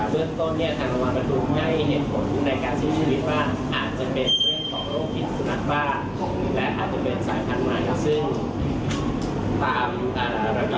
เพื่อนต้นมันมาดูให้เห็นเห็นผลในการเสียชีวิตบ้า